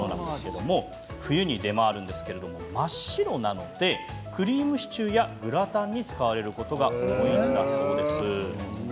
冬に出回るんですけれど真っ白なのでクリームシチューやグラタンに使われることが多いんだそうです。